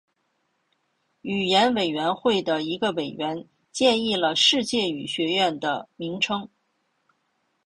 语言委员会的一个委员建议了世界语学院的名称。